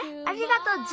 ありがと。